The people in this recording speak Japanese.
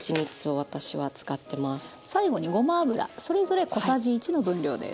最後にごま油それぞれ小さじ１の分量です。